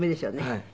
はい。